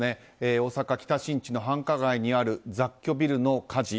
大阪・北新地の繁華街にある雑居ビルの火事